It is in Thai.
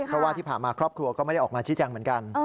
เพราะว่าที่ผ่านมาครอบครัวก็ไม่ได้ออกมาชี้แจงเหมือนกัน